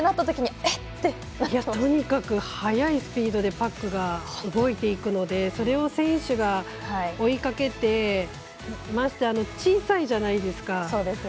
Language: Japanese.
とにかく速いスピードで動いていくのでそれを選手が追いかけてまして、小さいじゃないですか。